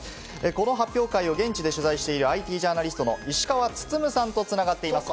この発表会を現地で取材しているＩＴジャーナリストの石川温さんと繋がっています。